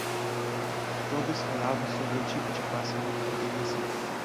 Todos falavam sobre o tipo de pássaro que poderia ser.